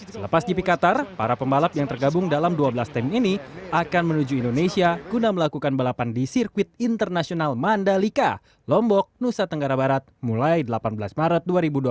selepas gp qatar para pembalap yang tergabung dalam dua belas tim ini akan menuju indonesia guna melakukan balapan di sirkuit internasional mandalika lombok nusa tenggara barat mulai delapan belas maret dua ribu dua puluh tiga